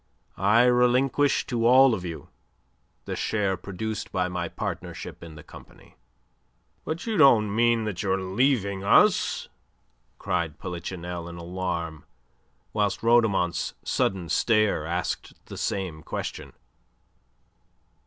I relinquish to all of you the share produced by my partnership in the company." "But you don't mean that you are leaving us?" cried Polichinelle in alarm, whilst Rhodomont's sudden stare asked the same question.